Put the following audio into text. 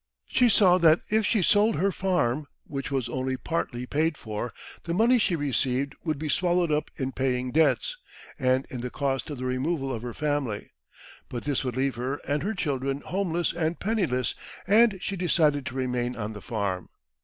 She saw that if she sold her farm, which was only partly paid for, the money she received would be swallowed up in paying debts, and in the cost of the removal of her family. But this would leave her and her children homeless and penniless, and she decided to remain on the farm.